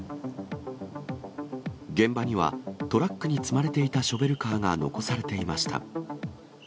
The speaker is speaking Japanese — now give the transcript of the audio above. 現場には、トラックに積まれていたショベルカーが残されていました。